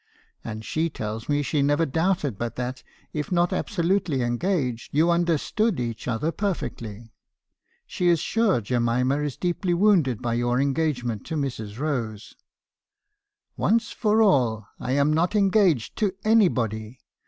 And she tells me she never doubted but that, if not absolutely engaged, you understood each other perfectly. She is sure Jemima is deeply wounded by your engagement to Mrs. Rose.' 11 ' Once for all, I am not engaged to anybody.